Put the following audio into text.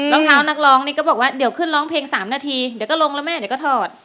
รองเท้านักร้องนี่ก็บอกว่าเดี๋ยวขึ้นร้องเพลง๓นาทีเดี๋ยวก็ลงแล้วแม่เดี๋ยวก็ถอด